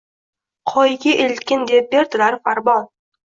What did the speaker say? Qoyaga eltgin deb berdilar farmon.